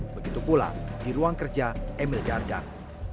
begitu pula di ruang kerja emil dardak